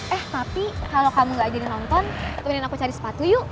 eh tapi kalau kamu gak jadi nonton kemudian aku cari sepatu yuk